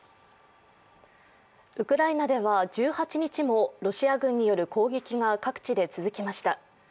ウクライナでは１８日もロシア軍による攻撃が各地で続きました。